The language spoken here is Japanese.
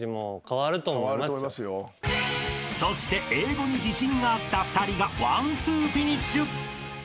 ［そして英語に自信があった２人がワンツーフィニッシュ］